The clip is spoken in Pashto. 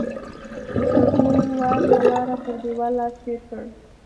جُوجُو وار له واره پر دېوال لاس تېر کړ